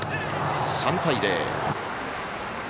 ３対０。